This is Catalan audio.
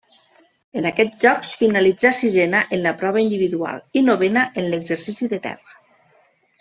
En aquests Jocs finalitzà sisena en la prova individual i novena en l'exercici de terra.